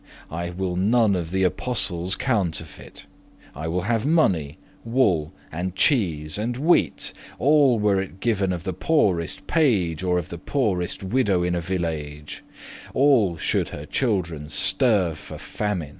I will none of the apostles counterfeit;* *imitate (in poverty) I will have money, wool, and cheese, and wheat, All* were it given of the poorest page, *even if Or of the pooreste widow in a village: All should her children sterve* for famine.